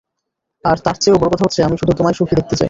আর তার চেয়েও বড়ো কথা হচ্ছে, আমি শুধু তোমায় সুখী দেখতে চাই।